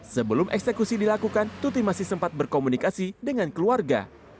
sebelum eksekusi dilakukan tuti masih sempat berkomunikasi dengan keluarga